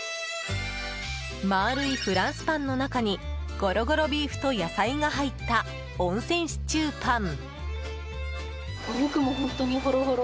丸いフランスパンの中にごろごろビーフと野菜が入った温泉シチューパン。